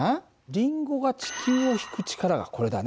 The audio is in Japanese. リンゴが地球を引く力がこれだね。